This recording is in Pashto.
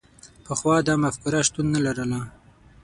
پخوا دا مفکوره شتون نه لرله.